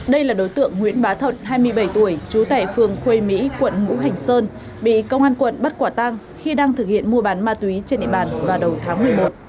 đây là đối tượng nguyễn bá thật hai mươi bảy tuổi trú tại phường khuê mỹ quận ngũ hành sơn bị công an quận bắt quả tang khi đang thực hiện mua bán ma túy trên địa bàn vào đầu tháng một mươi một